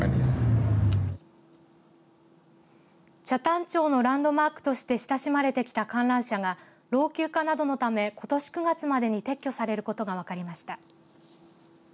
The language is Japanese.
北谷町のランドマークとして親しまれてきた観覧車が老朽化などのためことし９月までに撤去されることが分かりました。